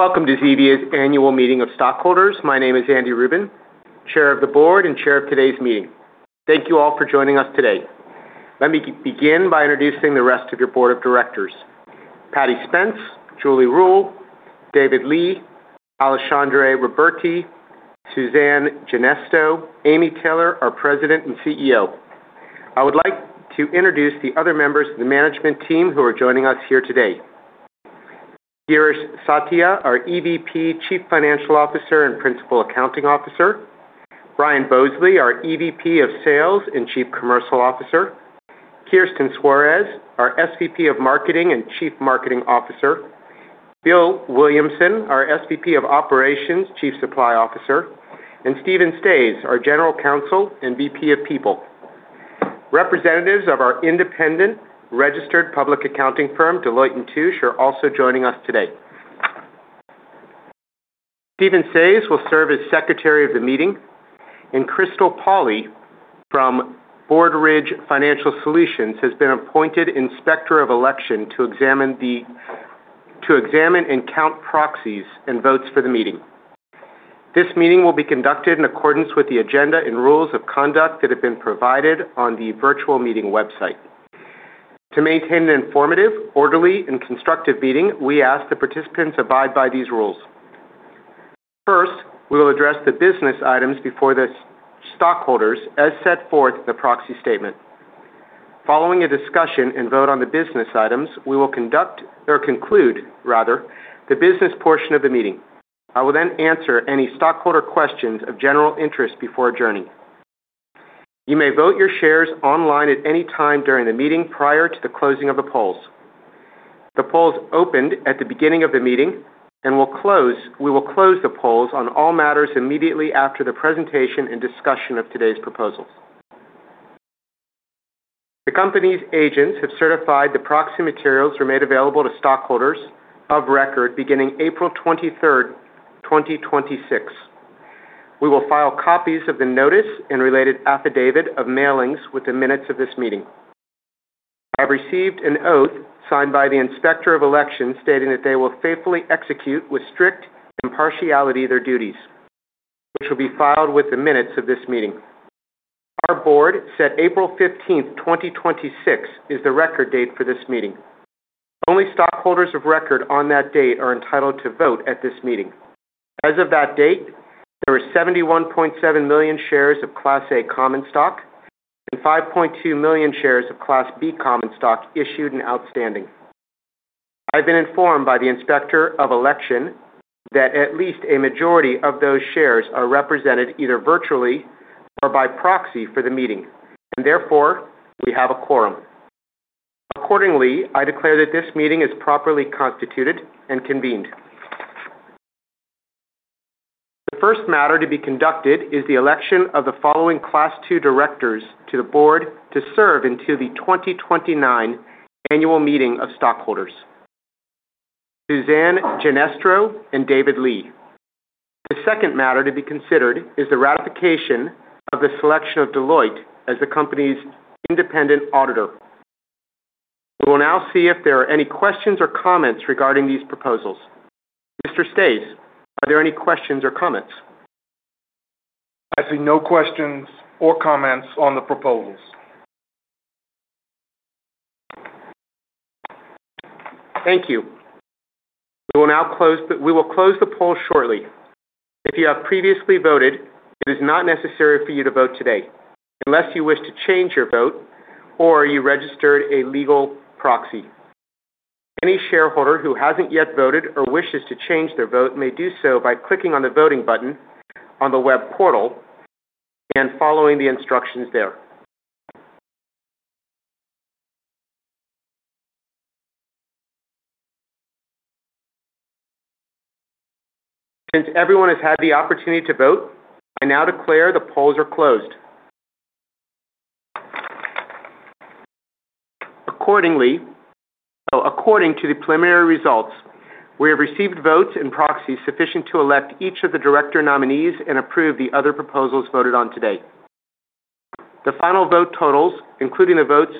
Welcome to Zevia's Annual Meeting of Stockholders. My name is Andrew Ruben, Chair of the Board and Chair of today's meeting. Thank you all for joining us today. Let me begin by introducing the rest of your Board of Directors, Padraic Spence, Julie Ruehl, David Lee, Alexandre Ruberti, Suzanne Ginestro, Amy Taylor, our President and CEO. I would like to introduce the other members of the management team who are joining us here today. Girish Satya, our EVP, Chief Financial Officer, and Principal Accounting Officer. Brian Bousley, our EVP of Sales and Chief Commercial Officer. Kirsten Suarez, our SVP of Marketing and Chief Marketing Officer. Bill Williamson, our SVP of Operations, Chief Supply Officer, and Steven Staes, our General Counsel and VP of People. Representatives of our independent registered public accounting firm, Deloitte & Touche, are also joining us today. Steven Staes will serve as Secretary of the meeting, and Crystal Pawley from Broadridge Financial Solutions has been appointed Inspector of Election to examine and count proxies and votes for the meeting. This meeting will be conducted in accordance with the agenda and rules of conduct that have been provided on the virtual meeting website. To maintain an informative, orderly, and constructive meeting, we ask that participants abide by these rules. We will address the business items before the stockholders as set forth in the proxy statement. Following a discussion and vote on the business items, we will conduct or conclude, rather, the business portion of the meeting. I will then answer any stockholder questions of general interest before adjourning. You may vote your shares online at any time during the meeting prior to the closing of the polls. The polls opened at the beginning of the meeting and we will close the polls on all matters immediately after the presentation and discussion of today's proposals. The company's agents have certified the proxy materials were made available to stockholders of record beginning April 23rd, 2026. We will file copies of the notice and related affidavit of mailings with the minutes of this meeting. I've received an oath signed by the Inspector of Election stating that they will faithfully execute with strict impartiality their duties, which will be filed with the minutes of this meeting. Our board set April 15th, 2026, as the record date for this meeting. Only stockholders of record on that date are entitled to vote at this meeting. As of that date, there were 71.7 million shares of Class A common stock and 5.2 million shares of Class B common stock issued and outstanding. I've been informed by the Inspector of Election that at least a majority of those shares are represented either virtually or by proxy for the meeting, and therefore, we have a quorum. Accordingly, I declare that this meeting is properly constituted and convened. The first matter to be conducted is the election of the following Class II directors to the board to serve until the 2029 Annual Meeting of Stockholders, Suzanne Ginestro and David Lee. The second matter to be considered is the ratification of the selection of Deloitte as the company's independent auditor. We will now see if there are any questions or comments regarding these proposals. Mr. Staes, are there any questions or comments? I see no questions or comments on the proposals. Thank you. We will close the poll shortly. If you have previously voted, it is not necessary for you to vote today unless you wish to change your vote or you registered a legal proxy. Any shareholder who hasn't yet voted or wishes to change their vote may do so by clicking on the voting button on the web portal and following the instructions there. Since everyone has had the opportunity to vote, I now declare the polls are closed. According to the preliminary results, we have received votes and proxies sufficient to elect each of the director nominees and approve the other proposals voted on today. The final vote totals, including the votes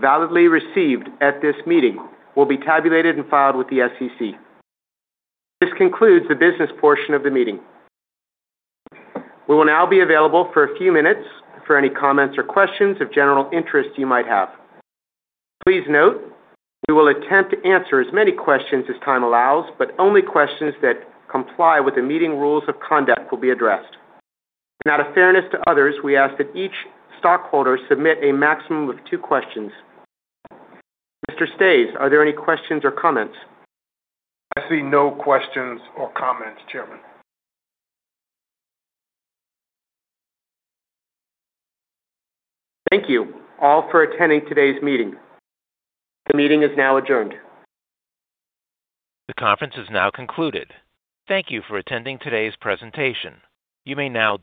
validly received at this meeting, will be tabulated and filed with the SEC. This concludes the business portion of the meeting. We will now be available for a few minutes for any comments or questions of general interest you might have. Please note, we will attempt to answer as many questions as time allows, but only questions that comply with the meeting rules of conduct will be addressed. Out of fairness to others, we ask that each stockholder submit a maximum of two questions. Mr. Staes, are there any questions or comments? I see no questions or comments, Chairman. Thank you all for attending today's meeting. The meeting is now adjourned. The conference has now concluded. Thank you for attending today's presentation. You may now disconnect